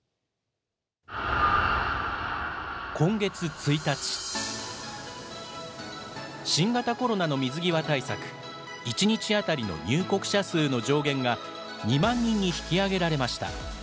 今月１日、新型コロナの水際対策、１日当たりの入国者数の上限が２万人に引き上げられました。